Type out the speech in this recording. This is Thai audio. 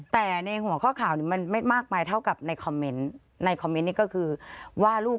แต่ในหัวข้อข่าวนี้มันไม่มากมายเท่ากับในคอมเมนต์ในคอมเมนต์นี้ก็คือว่าลูก